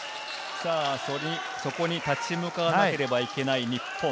そこに立ち向かわなければならない日本。